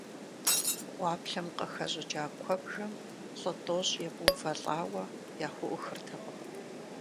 Гъуаплъэм къыхэщӀыкӀа куэбжэм лӀы тӀощӀ емыувэлӀауэ яхуӀухыртэкъым.